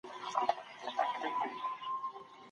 پوهنتون محصلین په نړیوالو تړونونو کي برخه نه سي اخیستلای.